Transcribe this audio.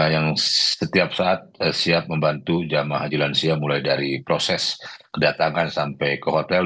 yang setiap saat siap membantu jamaah haji lansia mulai dari proses kedatangan sampai ke hotel